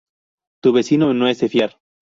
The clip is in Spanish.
Tu vecino no es de fiar